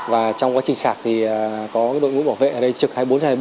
và trong quá trình sạc thì có đội ngũ bảo vệ ở đây trực hai mươi bốn hai mươi bốn